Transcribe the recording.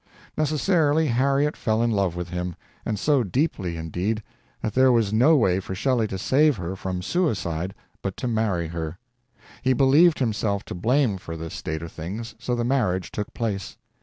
Necessarily, Harriet fell in love with him; and so deeply, indeed, that there was no way for Shelley to save her from suicide but to marry her. He believed himself to blame for this state of things, so the marriage took place.